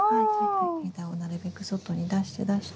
枝をなるべく外に出して出して。